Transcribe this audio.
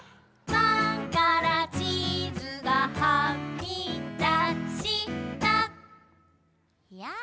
「パンからチーズがはみだしたやあ」